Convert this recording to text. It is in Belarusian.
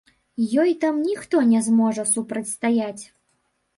Ёй там ніхто не зможа супрацьстаяць.